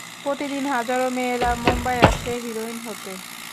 প্রতিদিন হাজারো মেয়েরা মুম্বাই আসে হিরোইন হতে।